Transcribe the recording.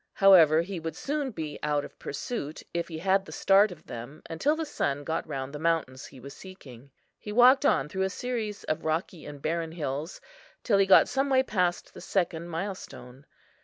However, he would soon be out of pursuit, if he had the start of them until the sun got round the mountains he was seeking. He walked on through a series of rocky and barren hills, till he got some way past the second milestone.